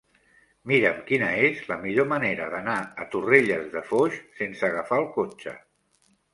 Mira'm quina és la millor manera d'anar a Torrelles de Foix sense agafar el cotxe.